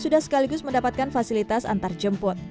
sudah sekaligus mendapatkan fasilitas antarjemput